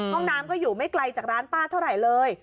ห้องน้ำก็อยู่ไม่ไกลจากร้านป้าเท่าไหร่เลย